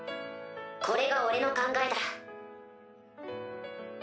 これが俺の考えだ。